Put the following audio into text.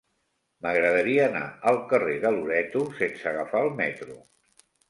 M'agradaria anar al carrer de Loreto sense agafar el metro.